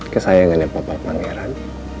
kesayangannya papa pangeran